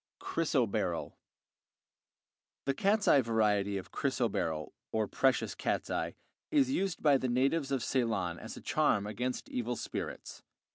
Chrysoberyl The cat's eye variety of chrysoberyl, or precious cat's eye, is used by the natives of Ceylon as a charm against evil spirits.